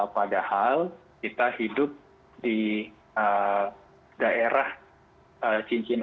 padahal kita hidup di daerah cincin